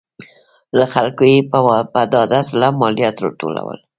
له خلکو یې په ډاډه زړه مالیات راټولول